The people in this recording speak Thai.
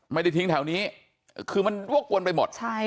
ไม่ได้ทิ้งแถวนี้คือมันวกวนไปหมด